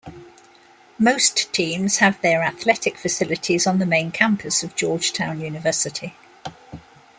Most teams have their athletic facilities on the main campus of Georgetown University.